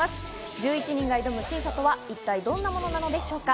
１１人が挑む審査とは一体どんなものなのでしょうか？